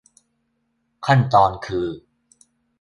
ขั้นตอนคือ